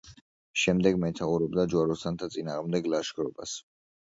შემდეგ მეთაურობდა ჯვაროსანთა წინააღმდეგ ლაშქრობას.